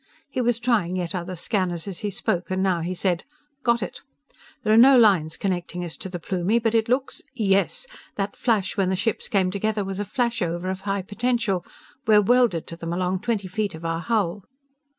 He was trying yet other scanners as he spoke, and now he said: "Got it! There are no lines connecting us to the Plumie, but it looks ... yes! That flash when the ships came together was a flash over of high potential. We're welded to them along twenty feet of our hull!"